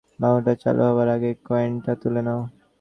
ভ্যাকুয়ামটা চালু হবার আগেই কয়েনটা তুলে নাও।